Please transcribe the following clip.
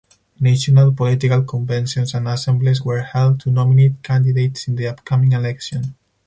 National political conventions and assemblies were held to nominate candidates in the upcoming election.